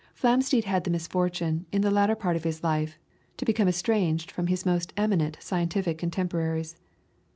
Flamsteed had the misfortune, in the latter part of his life, to become estranged from his most eminent scientific contemporaries.